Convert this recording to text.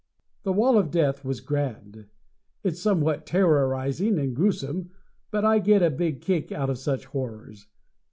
"The Wall of Death" was grand. It's somewhat terrorizing and gruesome, but I get a big "kick" out of such horrors.